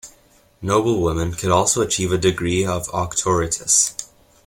Noble women could also achieve a degree of Auctoritas.